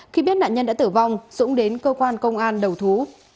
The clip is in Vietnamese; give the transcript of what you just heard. khi biết nạn nhân đã tử vong dũng đến cơ quan công an đầu thú